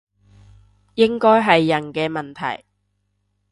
應該係人嘅問題